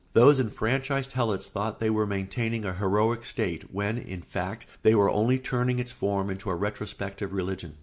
Those enfranchised helots thought they were maintaining a heroic state when, in fact, they were only turning its forms into a retrospective religion.